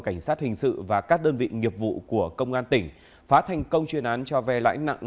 cảnh sát hình sự và các đơn vị nghiệp vụ của công an tỉnh phá thành công chuyên án cho ve lãi nặng